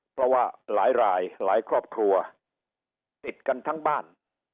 เพราะว่าหลายรายหลายครอบครัวติดกันทั้งบ้าน